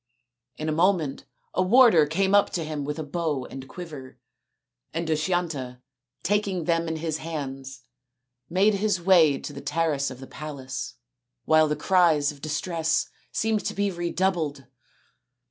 In a moment a warder came up to him with a bow and quiver, and Dushyanta, taking them in his hands, made his way to the terrace of the palace, while the cries of distress seemed to be redoubled.